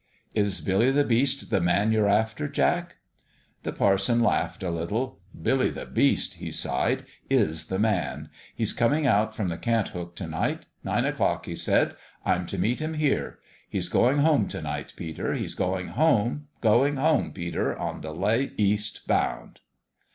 "Is Billy the Beast the man you're after, Jack?" The parson laughed a little. "Billy the Beast," he sighed, "is the man. He's coming out from the Cant hook to night. Nine o'clock, he said. I'm to meet him here. He's going home to night, Peter. He's going home going home, Peter, on the late east bound."